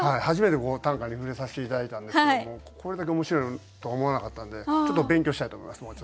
初めてこう短歌に触れさせて頂いたんですけどもこれだけ面白いとは思わなかったんでちょっと勉強したいと思います。